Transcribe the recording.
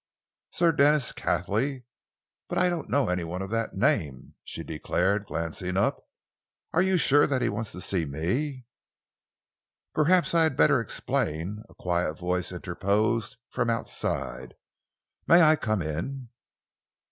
"Sir Denis Cathley. But I don't know of any one of that name," she declared, glancing up. "Are you sure that he wants to see me?" "Perhaps I had better explain," a quiet voice interposed from outside. "May I come in?"